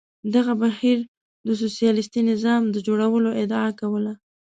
دغه بهیر د سوسیالیستي نظام د جوړولو ادعا کوله.